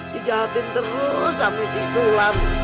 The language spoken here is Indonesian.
dijahatin terus sama si sulam